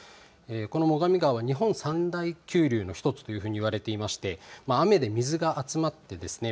この最上川は日本三大急流の一つと言われていまして雨で水が集まってですね